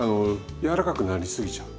柔らかくなりすぎちゃう。